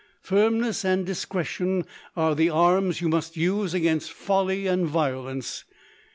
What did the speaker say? Firmness and discre tion are the arms you must use against folly and violence.